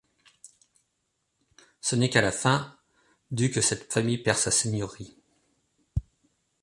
Ce n'est qu'à la fin du que cette famille perd sa seigneurie.